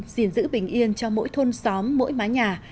gìn giữ bình yên cho mỗi thôn xóm mỗi mái nhà